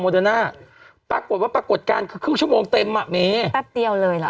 เดิน่าปรากฏว่าปรากฏการณ์คือครึ่งชั่วโมงเต็มอ่ะเมแป๊บเดียวเลยล่ะ